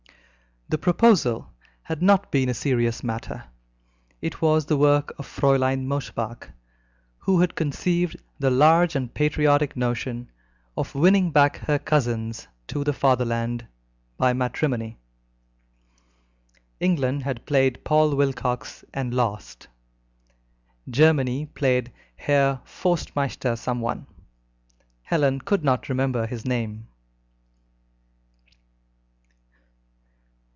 The proposal had not been a serious matter. It was the work of Fraulein Mosebach, who had conceived the large and patriotic notion of winning back her cousins to the Fatherland by matrimony. England had played Paul Wilcox, and lost; Germany played Herr Forstmeister someone Helen could not remember his name.